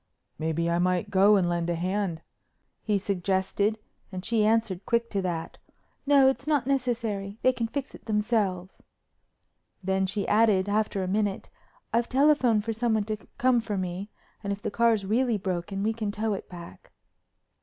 "Maybe I might go and lend a hand," he suggested and she answered quick to that: "No, it's not necessary. They can fix it themselves," then she added, after a minute, "I've telephoned for someone to come for me and if the car's really broken we can tow it back."